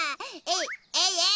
えいえい！